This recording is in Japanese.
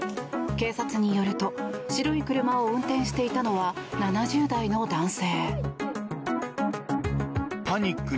警察によると白い車を運転していたのは７０代の男性。